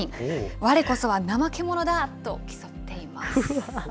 われこそは怠け者だと競っています。